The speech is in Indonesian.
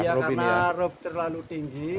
iya karena rop terlalu tinggi